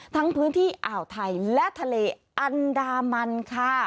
ทั้งพื้นที่อ่าวไทยและทะเลอันดามันค่ะ